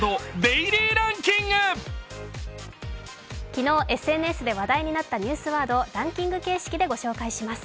昨日ＳＮＳで話題になったニュースワードをランキング形式でご紹介します。